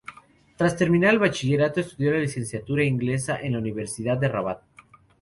Tras terminar el bachillerato, estudió literatura inglesa en la Universidad de Rabat.